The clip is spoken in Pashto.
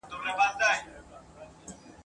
د کوټې چیلم یې هر څوک درباندي خوله لکوي `